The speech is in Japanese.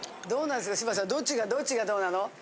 どうなんすか柴田さんどっちがどっちがどうなの？